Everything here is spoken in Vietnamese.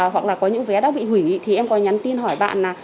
hoặc là có những vé đã bị hủy thì em có nhắn tin hỏi bạn